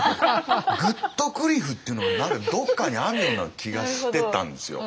グットクリフっていうのが何かどっかにあるような気がしてたんですよ。